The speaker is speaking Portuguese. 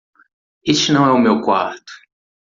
Este não é o meu quarto.